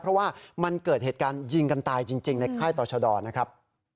เพราะว่ามันเกิดเหตุการณ์ยิงกันตายจริงในค่ายต่อชะดอนะครับ